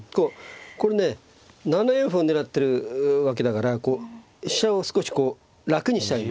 これね７四歩を狙ってるわけだから飛車を少しこう楽にしたいんですよね。